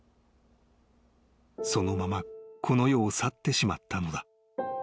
［そのままこの世を去ってしまったのだ］